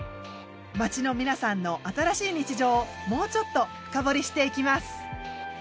街の皆さんの新しい日常をもうちょっと深掘りしていきます。